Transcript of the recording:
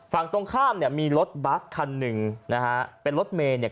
ฝั่งตรงข้ามเนี่ยมีรถบัสคันหนึ่งนะฮะเป็นรถเมย์เนี่ย